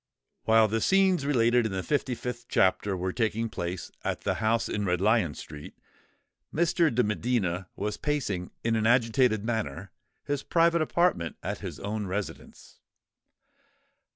While the scenes related in the fifty fifth chapter were taking place at the house in Red Lion Street, Mr. de Medina was pacing in an agitated manner his private apartment at his own residence.